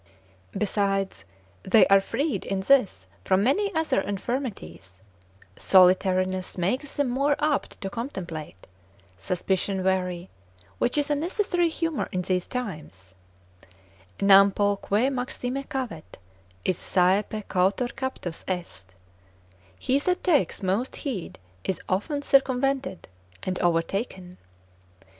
Besides they are freed in this from many other infirmities, solitariness makes them more apt to contemplate, suspicion wary, which is a necessary humour in these times, Nam pol que maxime cavet, is saepe cautor captus est, he that takes most heed, is often circumvented, and overtaken.